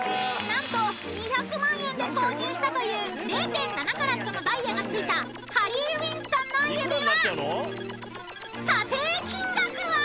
［何と２００万円で購入したという０．７カラットのダイヤが付いたハリー・ウィンストンの指輪。